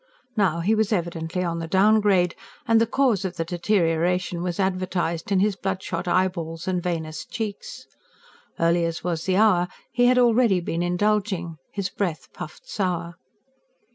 Now he was evidently on the downgrade; and the cause of the deterioration was advertised in his bloodshot eyeballs and veinous cheeks. Early as was the hour, he had already been indulging: his breath puffed sour.